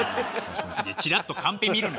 チラッとカンペ見るな。